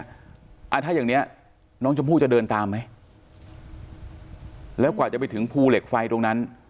อ่าถ้าอย่างเนี้ยน้องชมพู่จะเดินตามไหมแล้วกว่าจะไปถึงภูเหล็กไฟตรงนั้น